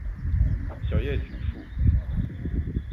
小叶榉树